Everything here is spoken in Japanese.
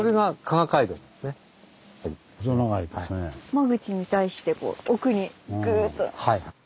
間口に対して奥にぐっと。